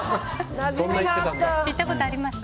行ったことあります？